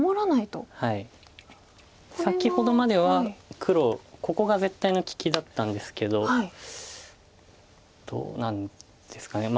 先ほどまでは黒ここが絶対の利きだったんですけどどうなんですかね。